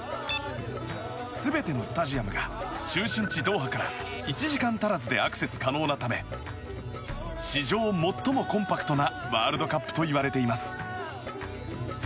全てのスタジアムが中心地ドーハから１時間足らずでアクセス可能なため史上最もコンパクトなワールドカップといわれています。